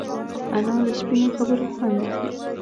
انا له سپینو خبرو خوند اخلي